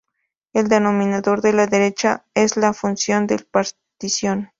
El denominador de la derecha es la función de partición.